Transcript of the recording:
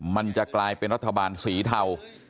มันจะกลายเป็นรัฐบาลสีเทา